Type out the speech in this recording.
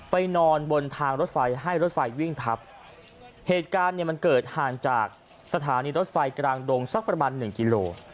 นอนบนทางรถไฟให้รถไฟวิ่งทับเหตุการณ์เนี่ยมันเกิดห่างจากสถานีรถไฟกลางดงสักประมาณหนึ่งกิโล